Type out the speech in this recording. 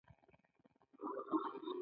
په جنایي جرم باید تورن نه وي.